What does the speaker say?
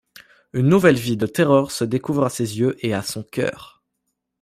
Une nouvelle vie de terreur se découvre à ses yeux et à son cœur.